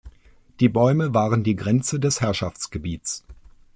Die Bäume waren die Grenze des Herrschaftsgebiets.